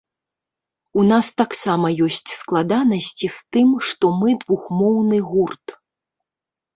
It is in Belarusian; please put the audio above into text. У нас таксама ёсць складанасці з тым, што мы двухмоўны гурт.